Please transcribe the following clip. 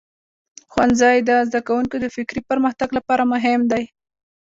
ښوونځی د زده کوونکو د فکري پرمختګ لپاره مهم دی.